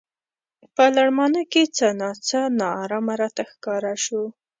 په لړمانه کې څه نا څه نا ارامه راته ښکاره شو.